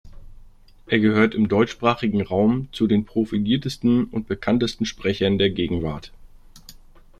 Er gehört im deutschsprachigen Raum zu den profiliertesten und bekanntesten Sprechern der Gegenwart.